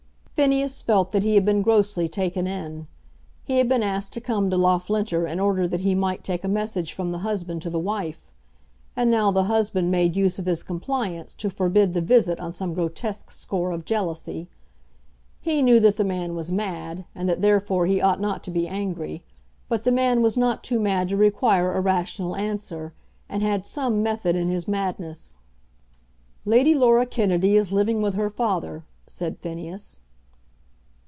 Phineas felt that he had been grossly taken in. He had been asked to come to Loughlinter in order that he might take a message from the husband to the wife, and now the husband made use of his compliance to forbid the visit on some grotesque score of jealousy. He knew that the man was mad, and that therefore he ought not to be angry; but the man was not too mad to require a rational answer, and had some method in his madness. "Lady Laura Kennedy is living with her father," said Phineas.